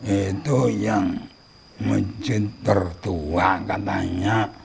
itu yang mencinta tertua katanya